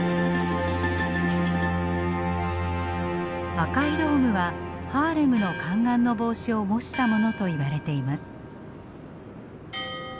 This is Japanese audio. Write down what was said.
赤いドームはハーレムの宦官の帽子を模したものといわれています。